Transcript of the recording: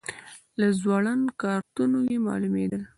له ځوړندو کارتونو یې معلومېدل.